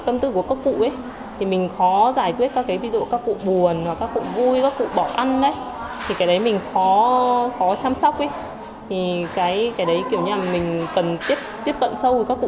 tâm lý của các cụ này rồi thì mình cũng phải có những cái sáng tạo mới để mình có những cái nghệ thuật để tiếp xúc với các cụ